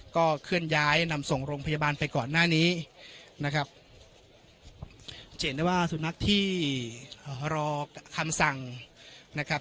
ก็เคลื่อนย้ายนำส่งโรงพยาบาลไปก่อนหน้านี้นะครับจะเห็นได้ว่าสุนัขที่รอคำสั่งนะครับ